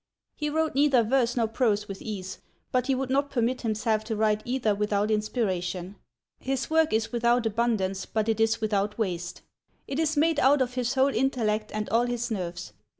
He wrote neither verse nor prose with ease, but he would not permit himself to write either without inspiration. His work is without abundance, but it is without waste. It is made out of his whole intellect and all his nerves.